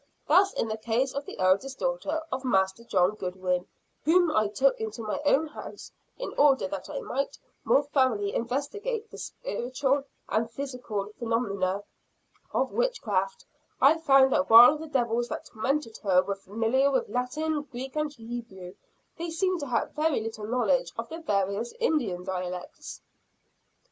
Thus in the case of the eldest daughter of Master John Goodwin, whom I took to my own house, in order that I might more thoroughly investigate the spiritual and physical phenomena of witchcraft, I found that while the devils that tormented her were familiar with Latin, Greek and Hebrew, they seemed to have very little knowledge of the various Indian dialects."